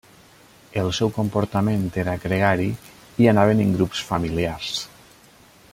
El seu comportament era gregari i anaven en grups familiars.